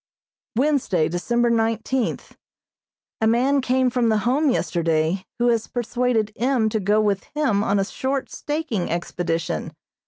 Wednesday, December nineteenth: A man came from the Home yesterday who has persuaded M. to go with him on a short staking expedition.